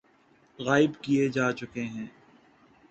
غائب کئے جا چکے ہیں